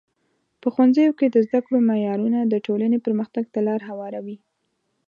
په ښوونځیو کې د زده کړو معیارونه د ټولنې پرمختګ ته لار هواروي.